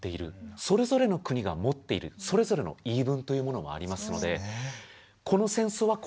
それぞれの国が持っているそれぞれの言い分というものもありますのでこの戦争はこれが定義